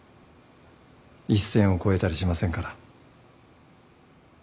一線を越えたりしませんから。